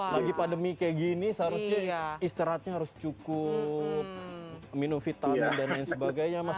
lagi pandemi kayak gini seharusnya istirahatnya harus cukup minum vitamin dan lain sebagainya mas